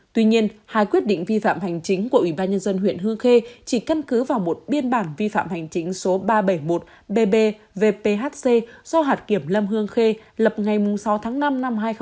tuy nhiên hai quyết định vi phạm hành chính của ubnd huyện hương khê chỉ cân cứ vào một biên bản vi phạm hành chính số ba trăm bảy mươi một bbvphc do hạt kiểm lâm hương khê lập ngày sáu tháng năm năm hai nghìn hai mươi bốn